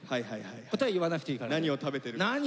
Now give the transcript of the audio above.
答え言わなくていいからね。